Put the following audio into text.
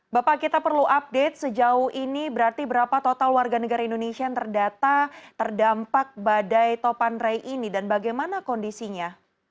bapak kita perlu update sejauh ini berarti berapa total warga negara indonesia yang terdata terdampak badai topan ray ini dan bagaimana kondisinya